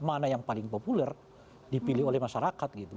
mana yang paling populer dipilih oleh masyarakat gitu